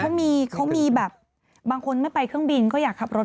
เค้ามีเค้ามีแบบบางคนไม่ไปเครื่องบินเค้าอยากขับรถ